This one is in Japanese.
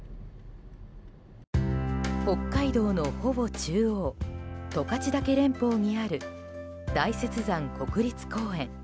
北海道のほぼ中央十勝岳連峰にある大雪山国立公園。